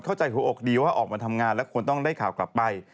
หัวอกดีว่าออกมาทำงานแล้วควรต้องได้ข่าวกลับไป